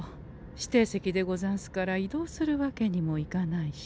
指定席でござんすから移動するわけにもいかないし。